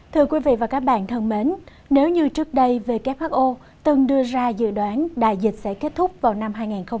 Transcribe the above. thưa quý vị và các bạn thân mến nếu như trước đây who từng đưa ra dự đoán đại dịch sẽ kết thúc vào năm hai nghìn hai mươi